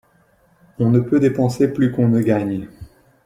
On ne peut dépenser plus qu’on ne gagne.